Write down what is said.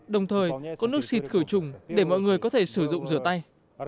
đồng thời có nước xịt khử trùng để mọi người có thể sử dụng rửa tay